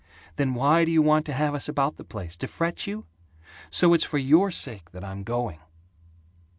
Then why do you want to have us about the place, to fret you? So it's for your sake that I'm going!"